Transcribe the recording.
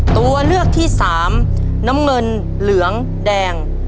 ตัวเลือกที่สามน้ำเงินเหลืองแดง